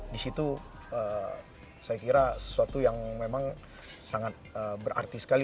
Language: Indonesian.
di situ saya kira sesuatu yang memang sangat berarti sekali